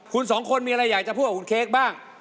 คุณสองคนมีอะไรอยากจะพูดกับคุณเค้กบ้าง